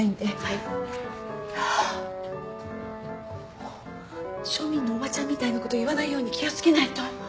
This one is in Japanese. もう庶民のおばちゃんみたいなこと言わないように気を付けないと。